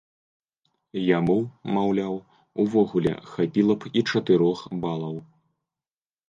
Яму, маўляў, увогуле хапіла б і чатырох балаў.